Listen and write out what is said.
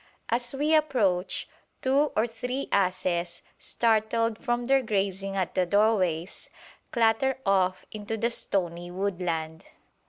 As we approach, two or three asses, startled from their grazing at the doorways, clatter off into the stony woodland.